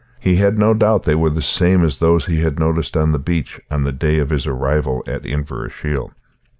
He had no doubt they were the same as those he had noticed on the beach on the day of his arrival at Inverashiel.